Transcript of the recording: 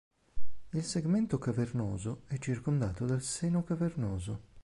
Il segmento cavernoso è circondato dal seno cavernoso.